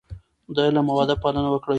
د علم او ادب پالنه وکړئ.